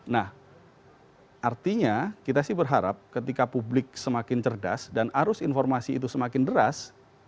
nah artinya kita sih berharap ketika publik semakin cerdas dan arus informasi itu semakin deras